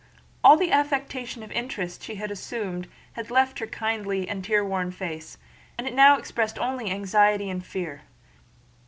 All the affectation of interest she had assumed had left her kindly and tear worn face and it now expressed only anxiety and fear.